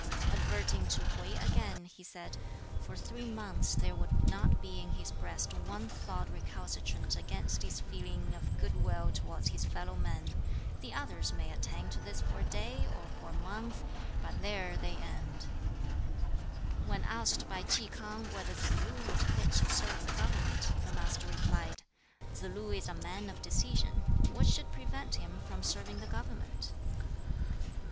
Adverting to Hwķi again, he said, "For three months there would not be in his breast one thought recalcitrant against his feeling of good will towards his fellow men. The others may attain to this for a day or for a month, but there they end." When asked by Ki K'ang whether Tsz lu was fit to serve the government, the Master replied, "Tsz lu is a man of decision: what should prevent him from serving the government?"